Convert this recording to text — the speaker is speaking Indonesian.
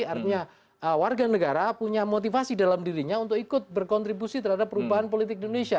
artinya warga negara punya motivasi dalam dirinya untuk ikut berkontribusi terhadap perubahan politik di indonesia